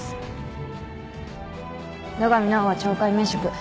野上奈緒は懲戒免職。